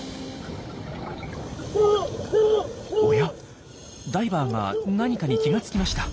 おやダイバーが何かに気が付きました。